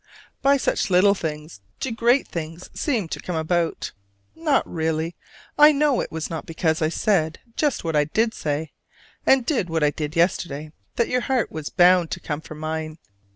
By such little things do great things seem to come about: not really. I know it was not because I said just what I did say, and did what I did yesterday, that your heart was bound to come for mine.